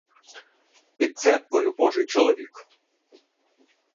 Під церквою божий чоловік.